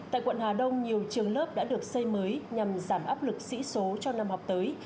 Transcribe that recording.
tại quận hà đông nhiều trường lớp đã được xây mới nhằm giảm áp lực sĩ số cho năm học tới